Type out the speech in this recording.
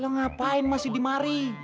lo ngapain masih di mari